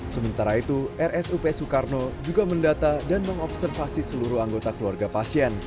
sementara itu rsup soekarno juga mendata dan mengobservasi seluruh anggota keluarga pasien